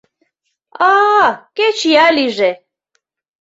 А-а, кеч ия лийже!